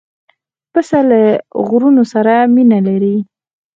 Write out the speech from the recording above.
پسه له غرونو سره مینه لري.